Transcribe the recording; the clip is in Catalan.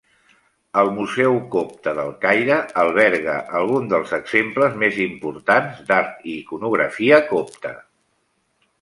El museu copte del Caire, alberga alguns dels exemples més importants d'art i iconografia copta.